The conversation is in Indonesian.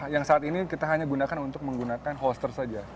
yang saat ini kita hanya gunakan untuk menggunakan holster saja